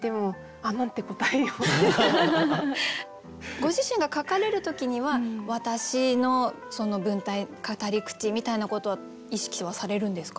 ご自身が書かれる時には私の文体語り口みたいなことは意識はされるんですか？